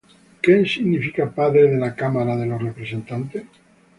¿Qué significa “Padre” de la Cámara de los Representantes?